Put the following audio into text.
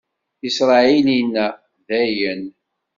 Isṛayil inna: Dayen!